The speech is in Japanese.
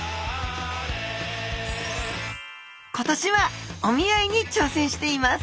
今年はお見合いに挑戦しています！